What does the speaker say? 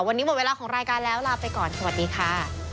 วันนี้หมดเวลาของรายการแล้วลาไปก่อนสวัสดีค่ะ